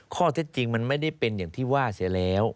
ข้อเท็จจริงมันไม่ได้เป็นอย่างที่ว่าเสียแล้ว